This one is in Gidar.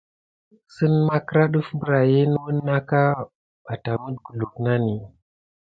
Əsseŋ makra ɗəfa pay nis kiraya wuna aka banamite kulu nani.